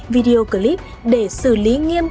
video clip để xử lý nghiêm